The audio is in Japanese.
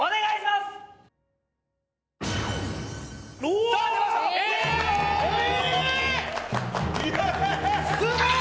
すごい！